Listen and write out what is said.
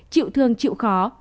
chịu thương chịu khó